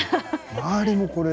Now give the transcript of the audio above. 周りもこれ。